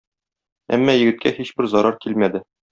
Әмма егеткә һичбер зарар килмәде.